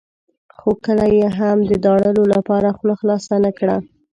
خو کله یې هم د داړلو لپاره خوله خلاصه نه کړه.